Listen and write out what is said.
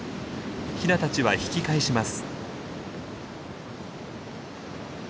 ヒナたちは引き返します。